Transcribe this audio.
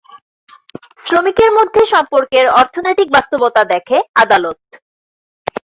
শ্রমিকের মধ্যে সম্পর্কের "অর্থনৈতিক বাস্তবতা" দেখে আদালত।